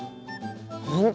本当？